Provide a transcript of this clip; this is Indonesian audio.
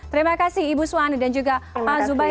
terima kasih ibu suwani dan juga pak zubairi